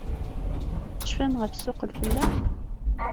Tecfam ɣef ssuq-lfellaḥ?